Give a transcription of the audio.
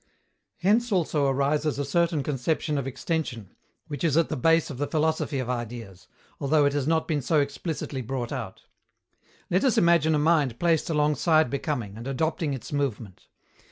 " Hence also arises a certain conception of extension, which is at the base of the philosophy of Ideas, although it has not been so explicitly brought out. Let us imagine a mind placed alongside becoming, and adopting its movement.